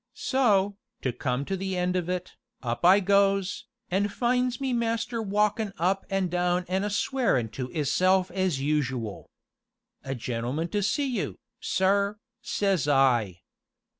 So, to come to the end of it, up I goes, an' finds me master walkin' up an' down an' a swearin' to 'isself as usual. 'A gentleman to see you, sir,' says I.